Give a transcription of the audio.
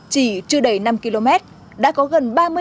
chỉ chưa đầy năm km đã có gần ba mươi